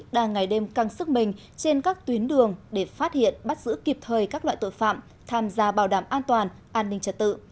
đang ngày đêm căng sức mình trên các tuyến đường để phát hiện bắt giữ kịp thời các loại tội phạm tham gia bảo đảm an toàn an ninh trật tự